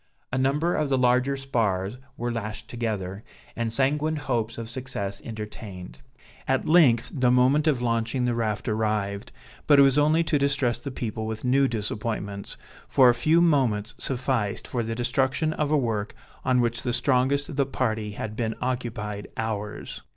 A number of the larger spars were lashed together, and sanguine hopes of success entertained. At length the moment of launching the raft arrived, but it was only to distress the people with new disappointments, for a few moments sufficed for the destruction of a work on which the strongest of the party had been occupied hours.